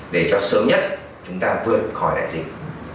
để cho sớm nhất chúng ta vươn khỏi đại dịch